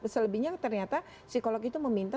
selebihnya ternyata psikolog itu meminta